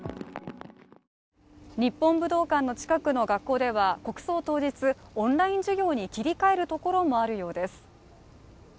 日本武道館の近くの学校では国葬当日オンライン授業に切り替えるところもあるようです。